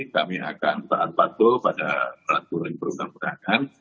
kami akan tak patuh pada ratu perundang perundangan